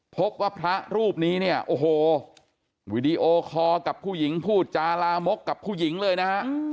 พบว่าพระรูปนี้เนี่ยโอ้โหวีดีโอคอร์กับผู้หญิงพูดจาลามกกับผู้หญิงเลยนะฮะ